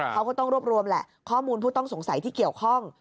เขาก็ต้องรวบรวมแหละข้อมูลผู้ต้องสงสัยที่เกี่ยวข้อง